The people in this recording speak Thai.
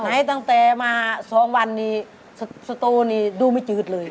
ไหนตั้งแต่มา๒วันนี้สโตนี่ดูไม่จืดเลย